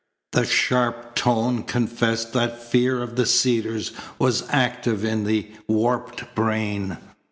The sharp tone confessed that fear of the Cedars was active in the warped brain.